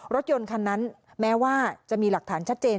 รถยนต์คันนั้นแม้ว่าจะมีหลักฐานชัดเจน